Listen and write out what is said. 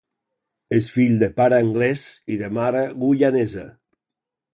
És fill de pare anglès i de mare guyanesa.